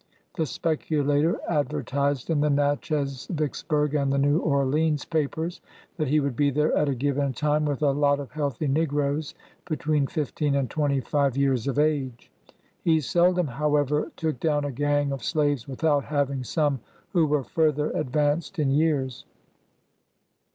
The speculator advertised in the Natchez, Vicksburg and New Orleans papers, that he would be there at a given time, with a lot of healthy negroes, between fifteen and twenty five years of age. He seldom, however, took down a gang of slaves without having some who were further ad vanced in years.